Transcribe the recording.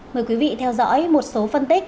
mời quý vị theo dõi một số phân tích